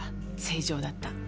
正常だった。